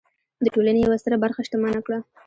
د ټولنې یوه ستره برخه شتمنه کړه.